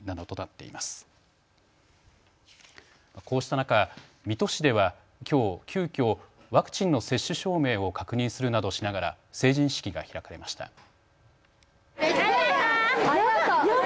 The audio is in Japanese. こうした中、水戸市ではきょう急きょ、ワクチンの接種証明を確認するなどしながら成人式が開かれました。